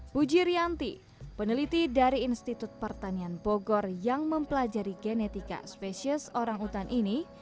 buji rianti peneliti dari institut pertanian bogor yang mempelajari genetika spesies orangutan ini